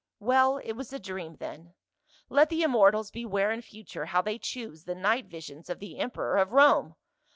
Well, it was a dream then. Let the immortals beware in future how they choose the night visions of the emperor of Rome.